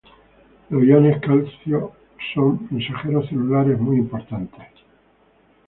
Los iones calcio son mensajeros celulares muy importantes.